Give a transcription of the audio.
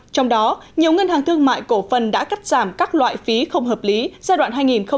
trong đó nhiều ngân hàng thương mại cổ phần đã cắt giảm các loại phí không hợp lý giai đoạn hai nghìn một mươi sáu hai nghìn hai mươi